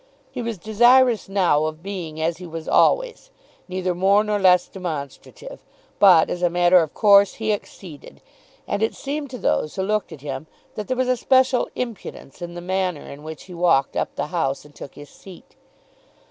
He was desirous now of being as he was always, neither more nor less demonstrative; but, as a matter of course, he exceeded; and it seemed to those who looked at him that there was a special impudence in the manner in which he walked up the House and took his seat.